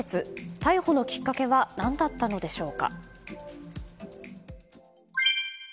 逮捕のきっかけは何だったのでしょうか。